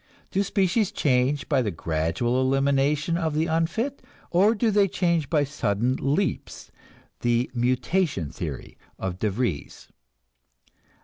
Do species change by the gradual elimination of the unfit, or do they change by sudden leaps, the "mutation" theory of de Vries?